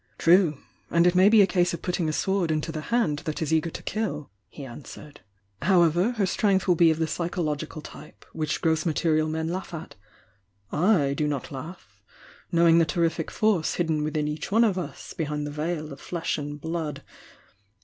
"True,— and it may be a case of puttmg a sword into the hand that is eager to kill," he answered. "However, her strength will be of the psychological type, which gross material men laugh at. / do not laugh, knowing the terrific force hidden withm each one of us, behind the veil of flesh and blood.